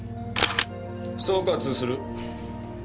総括する。